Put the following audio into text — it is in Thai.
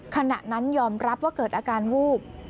ขณะนั้นยอมรับว่าเกิดอาการวูบ